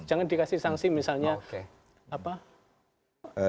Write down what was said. jangan dikasih sanksi misalnya apa